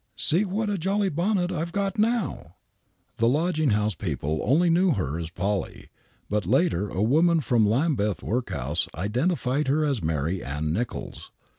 See what a jolly bonnet I've got now !" The lodging house people only knew her as " Polly," but later a woman from Lambeth Workhouse identified her as Mary Ann Nichols.